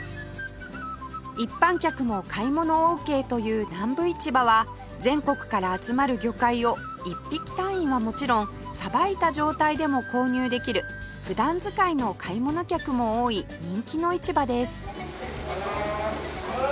一般客も買い物オーケーという南部市場は全国から集まる魚介を一匹単位はもちろんさばいた状態でも購入できる普段使いの買い物客も多い人気の市場です